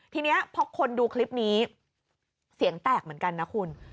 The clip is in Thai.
ทีนี้พอคนดูคลิปนี้เสียงแตกเหมือนกันนะคุณ